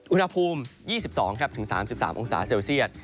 อุณหภูมิ๒๒๓๓องศาเซลเซียต